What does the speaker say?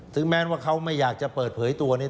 ถึงแม้ว่าเขาไม่อยากจะเปิดเผยตัวนี้